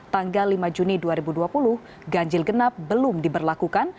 tanggal lima juni dua ribu dua puluh ganjil genap belum diberlakukan